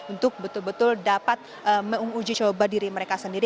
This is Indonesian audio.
untuk betul betul dapat menguji coba diri mereka sendiri